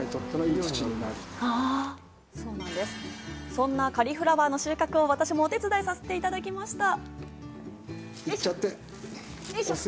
そんなカリフラワーの収穫を私もお手伝いさせていただきました。